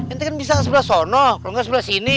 ini kan bisa ke sebelah sana kalau nggak sebelah sini